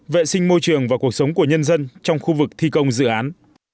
vệ sinh môi trường và cuộc sống của nhân dân trong khu vực thi công dự án